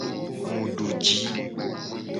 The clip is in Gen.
Mu du ji.